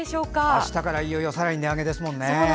あしたからいよいよさらに値上げですもんね。